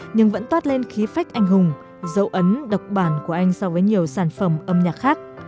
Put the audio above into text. nhưng vẫn toát lên khí phách anh hùng dấu ấn độc bản của anh so với nhiều sản phẩm âm nhạc khác